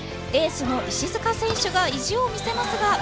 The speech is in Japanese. エースの石塚選手が意地を見せますが。